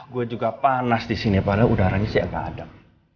gue juga panas disini padahal udaranya sih agak adem